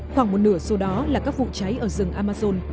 khoảng một nửa số đó là các vụ cháy ở rừng amazon